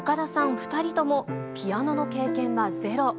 ２人とも、ピアノの経験はゼロ。